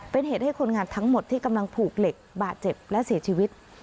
เป็นเหตุให้คนงานทั้งหมดที่กำลังผูกเหล็กบาดเจ็บและเสียชีวิต